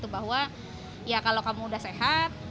bahwa ya kalau kamu sudah sehat